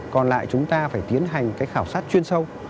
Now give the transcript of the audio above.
còn lại chúng ta phải tiến hành cái khảo sát chuyên sâu